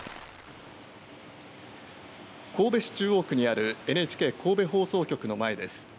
神戸市中央区にあるＮＨＫ神戸放送局の前です。